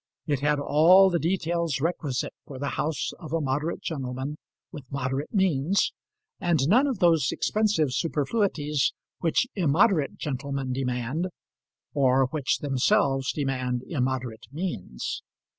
It had all the details requisite for the house of a moderate gentleman with moderate means, and none of those expensive superfluities which immoderate gentlemen demand, or which themselves demand immoderate means.